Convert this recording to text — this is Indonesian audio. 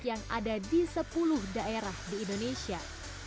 yang ada di sepuluh daerah di indonesia